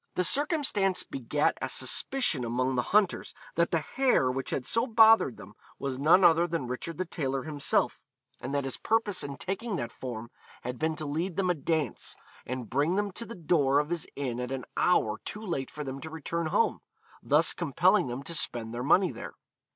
The circumstance begat a suspicion among the hunters that the hare which had so bothered them was none other than Richard the Tailor himself, and that his purpose in taking that form had been to lead them a dance and bring them to the door of his inn at an hour too late for them to return home, thus compelling them to spend their money there.